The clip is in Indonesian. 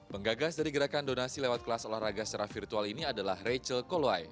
penggagas dari gerakan donasi lewat kelas olahraga secara virtual ini adalah rachel koluai